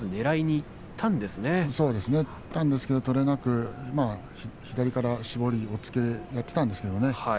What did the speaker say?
いったんですけども取れなくて左から絞り押っつけにいったんですけどね。